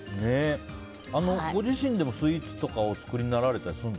ご自身でもスイーツとかお作りになるんですか？